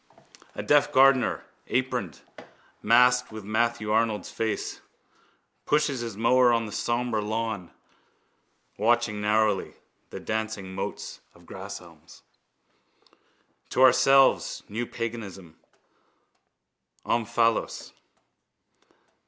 A deaf gardener, aproned, masked with Matthew Arnold's face, pushes his mower on the sombre lawn watching narrowly the dancing motes of grasshalms. To ourselves... new paganism... omphalos.